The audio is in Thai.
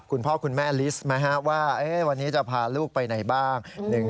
คุณพ่อคุณแม่ลิสต์ไหมว่าวันนี้จะพาลูกไปไหนบ้าง